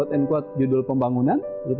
ombil ini kemampuan pembangunan taste wird